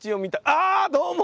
あどうも！